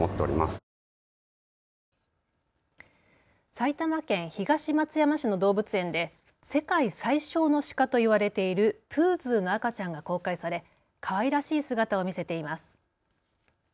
埼玉県東松山市の動物園で世界最小のシカと言われているプーズーの赤ちゃんが公開されかわいらしい姿を見せています。